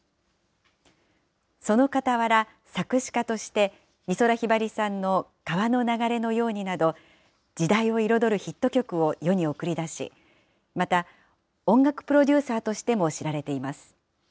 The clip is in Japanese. そのかたわら、作詞家として、美空ひばりさんの川の流れのようになど、時代を彩るヒット曲を世に送り出し、また、音楽プロデューサーとしても知られています。